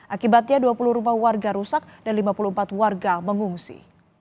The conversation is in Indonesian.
akibatnya dua puluh rumah warga rusak dan lima puluh empat warga mengungsi